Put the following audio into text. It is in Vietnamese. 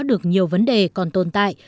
được nhiều vấn đề còn tồn tại